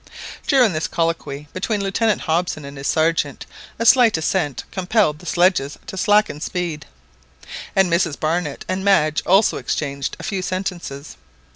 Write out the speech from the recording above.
During this colloquy between Lieutenant Hobson and his Sergeant a slight ascent compelled the sledges to slacken speed, and Mrs Barnett and Madge also exchanged a few sentences.